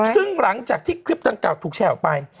ซึ่งหลังจากที่คลิปดังกล่าถูกแชร์ออกไป